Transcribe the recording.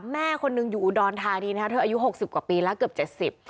แม่คนหนึ่งอยู่อุดรธานีนะคะเธออายุหกสิบกว่าปีแล้วเกือบเจ็ดสิบ